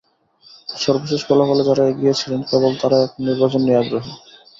সর্বশেষ ফলাফলে যাঁরা এগিয়ে ছিলেন, কেবল তাঁরাই এখন নির্বাচন নিয়ে আগ্রহী।